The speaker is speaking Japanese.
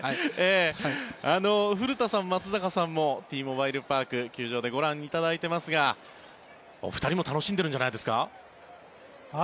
古田さん、松坂さんもＴモバイル・パーク球場でご覧いただいていますがお二人も楽しんでるんじゃないですか？